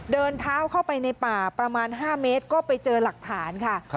เดินเท้าเข้าไปในป่าประมาณ๕เมตรก็ไปเจอหลักฐานค่ะ